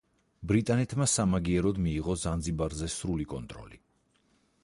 ბრიტანეთმა სამაგიეროდ მიიღო ზანზიბარზე სრული კონტროლი.